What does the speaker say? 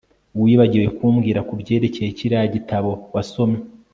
Wibagiwe kumbwira kubyerekeye kiriya gitabo wasomye